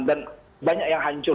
dan banyak yang hancur